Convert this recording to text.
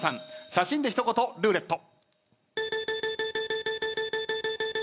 写真で一言ルーレット。